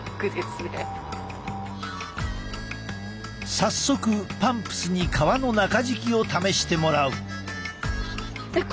早速パンプスに革の中敷きを試してもらう。